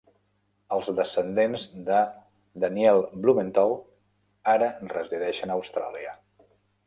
Els descendents de Daniel Blumenthal ara resideixen a Austràlia.